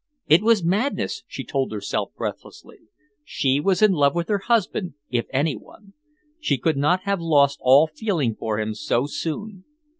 It was madness, she told herself breathlessly. She was in love with her husband, if any one. She could not have lost all feeling for him so soon.